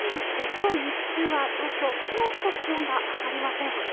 きょう日中は東京、きのうほど気温が上がりません。